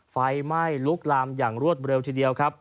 ไฟไหม้ลุกลามอย่างรวดเร็วทีเดียวครับ